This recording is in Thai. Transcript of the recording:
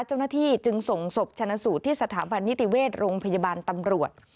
เจ้าหน้าที่จึงส่งศพชนะสูตรที่สถาบันนิติเวชโรงพยาบาลตำรวจ